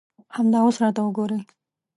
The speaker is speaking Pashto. همدا اوس راته وګورئ.